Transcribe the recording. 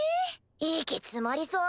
息詰まりそう。